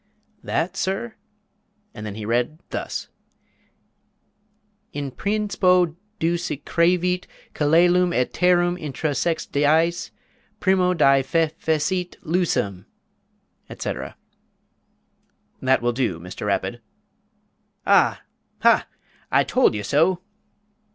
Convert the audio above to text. "That, sir?" and then he read thus, "In prinspo duse creevit kalelum et terrum intra sex dyes primmo dye fe fe sit looseum," etc. "That will do, Mr. Rapid " "Ah! ha! I told you so."